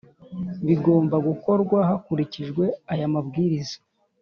Bigomba gukorwa hakurikijwe aya mabwiriza